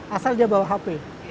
asal dia bawa hp